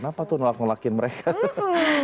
kenapa tuh ngelak ngelakin mereka